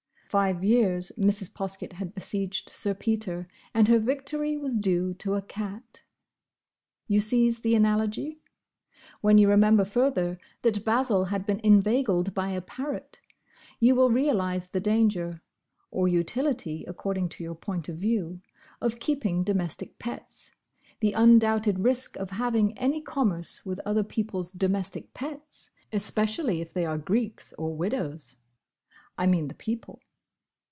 Five years Mrs. Poskett had besieged Sir Peter and her victory was due to a cat. You seize the analogy? When you remember, further, that Basil had been inveigled by a parrot, you will realise the danger—or utility, according to your point of view—of keeping domestic pets: the undoubted risk of having any commerce with other peoples' domestic pets—especially if they are Greeks or widows. I mean, the people.